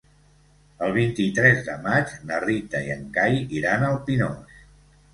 El vint-i-tres de maig na Rita i en Cai iran al Pinós.